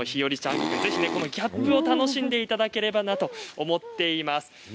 ギャップを楽しんでいただければなと思います。